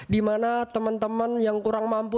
dimana teman teman yang kurang mampu